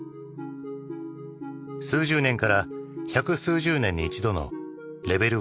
数十年から百数十年に一度のレベル